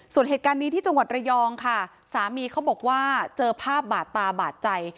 ส่วนเหตุการณ์นี้ที่จังหวัดระยองค่ะสามีเขาบอกว่าเจอภาพบาดตาบาดใจ